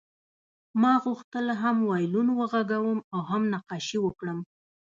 ما غوښتل هم وایلون وغږوم او هم نقاشي وکړم